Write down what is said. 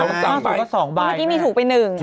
มั่วสูงก็สองใบต้องเป็นหนึ่งอ่ะ